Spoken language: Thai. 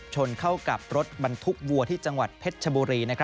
ชนเข้ากับรถบรรทุกวัวที่จังหวัดเพชรชบุรี